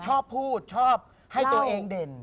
ชอบพูดชอบให้ตัวเองเด่น